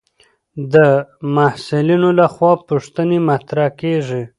د محصلینو لخوا پوښتنې مطرح کېږي.